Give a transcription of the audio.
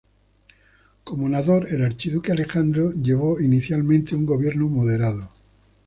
Como Nádor, el archiduque Alejandro llevó inicialmente un gobierno moderado.